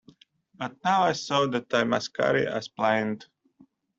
But now I saw that I must carry on as planned.